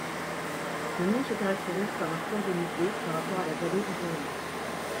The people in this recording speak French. Le mont se caractérise par un fort dénivelé par rapport à la vallée environnante.